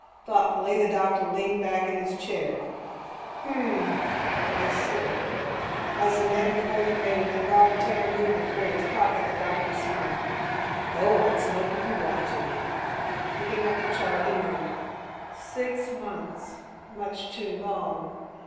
Thoughtfully, the doctor leaned back in his chair, "Hm m m ... I see." As the man before him made an involuntary movement toward his pocket, the doctor smiled, "Go on, smoke if you want to." Picking up the chart, he murmured, "Six months ... much too long.